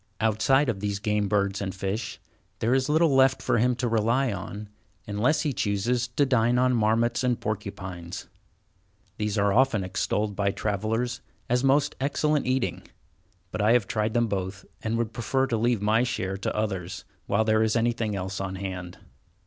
Outside of these game birds and fish, there is little left for him to rely on, unless he chooses to dine on marmots and porcupines. These are often extolled by travellers as most excellent eating, but I have tried them both, and would prefer to leave my share to others, while there is anything else on hand.